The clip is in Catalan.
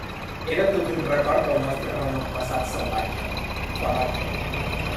Era tot un record al nostre remot passat salvatge, ferotge.